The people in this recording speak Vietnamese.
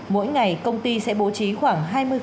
mỗi ngày công ty sẽ bố trí khoảng hai mươi